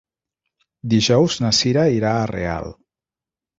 Dijous na Cira irà a Real.